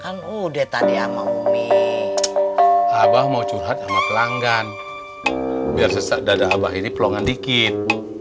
kan udah tadi sama mie abah mau curhat sama pelanggan biar sesak dada abah ini pelongan dikit